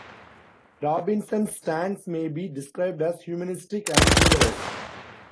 Robinson's stance may be described as humanistic and humorous.